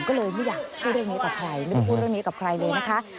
ก็เลยไม่อยากพูดเรื่องนี้กับใครไม่ได้พูดเรื่องนี้กับใครเลยนะคะ